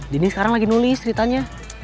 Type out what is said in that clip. dini sekarang lagi nulis ceritanya